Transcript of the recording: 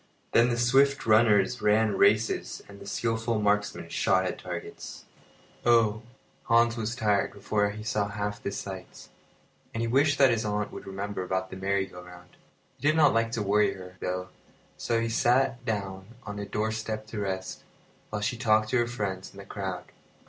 Then the swift runners ran races, and the skilful marksmen shot at targets. The Saint Bernard Dog Oh! Hans was tired before he saw half the sights; and he wished that his aunt would remember about the merry go round. He did not like to worry her, though, so he sat down on a doorstep to rest, while she talked to her friends in the crowd.